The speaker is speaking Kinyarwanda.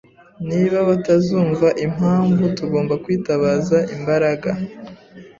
Niba batazumva impamvu, tugomba kwitabaza imbaraga.